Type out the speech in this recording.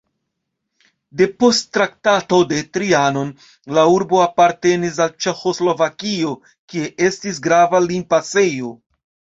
Depost Traktato de Trianon la urbo apartenis al Ĉeĥoslovakio, kie estis grava limpasejo.